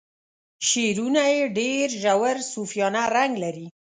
شعرونه یې ډیر ژور صوفیانه رنګ لري.